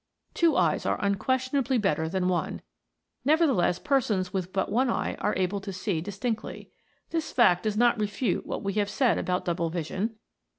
Two eyes are unquestionably better than one, nevertheless persons with but one eye are able to see distinctly. This fact does not refute what we have said about double vision.